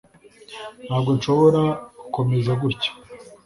Ntabwo nshobora gukomeza gutya